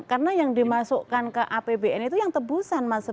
karena yang dimasukkan ke apbn itu yang tebusan